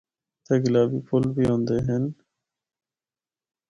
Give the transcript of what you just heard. تے گلابی پُھل بھی ہوندے ہن۔